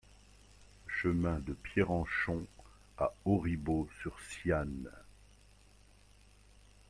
Chemin de Pierrenchon à Auribeau-sur-Siagne